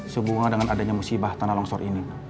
sebunga dengan adanya musibah tanah longsor ini